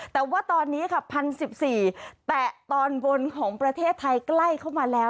แต่ว่าตอนนี้ค่ะ๑๐๑๔แตะตอนบนของประเทศไทยใกล้เข้ามาแล้ว